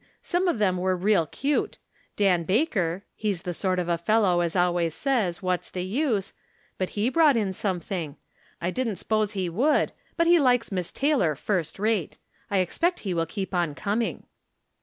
Some of them were real cute. Dan Baker — he's the sort of a fellow as always says, ' What's the use ?'— but he brought in something. I didn't 'spose he would, but he likes Miss Taylor first rate. I ex pect he will keep on coming."